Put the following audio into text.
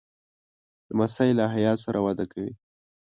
لمسی له حیا سره وده کوي.